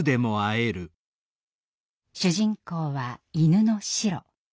主人公は犬のシロ。